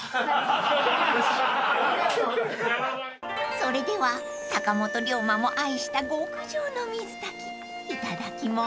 ［それでは坂本龍馬も愛した極上の水炊きいただきます］